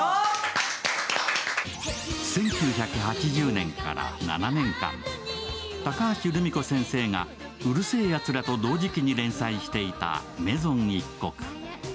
１９８０年から７年間、高橋留美子先生が「うる星やつら」と同時期に連載していた「めぞん一刻」。